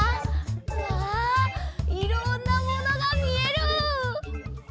うわいろんなものがみえる！